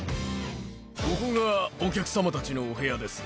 ここがお客様たちのお部屋です。